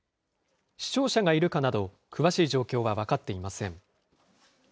死傷者がいるかなど、詳しい状況は分かっていません。